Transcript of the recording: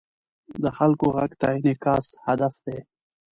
د خلکو غږ ته انعکاس هدف دی.